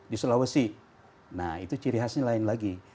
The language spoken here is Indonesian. di sulawesi nah itu ciri khasnya lain lagi